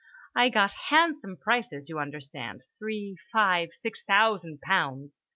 I got handsome prices, you understand, three, five, six thousand pounds.